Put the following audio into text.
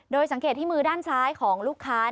สังเกตที่มือด้านซ้ายของลูกค้า